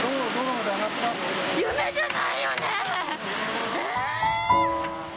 夢じゃないよね⁉え！